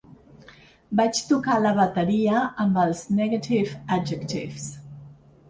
Vaig toca la bateria amb els Negative Adjectives.